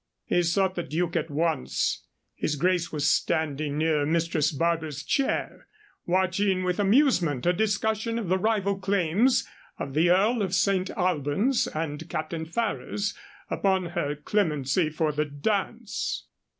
He sought the Duke at once. His grace was standing near Mistress Barbara's chair, watching with amusement a discussion of the rival claims of the Earl of St. Albans and Captain Ferrers upon her clemency for the dance.